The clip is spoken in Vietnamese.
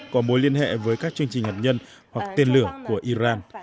có mối liên hệ với các chương trình hạt nhân hoặc tên lửa của iran